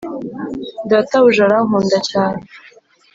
databuja arankunda cyane;